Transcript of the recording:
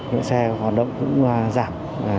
lượng xe hoạt động cũng giảm